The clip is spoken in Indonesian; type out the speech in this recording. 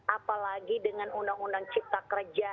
apalagi dengan undang undang cipta kerja